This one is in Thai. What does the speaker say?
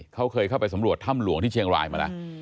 เขาเคยเข้าไปสำรวจถ้ำหลวงที่เชียงรายมาแล้ว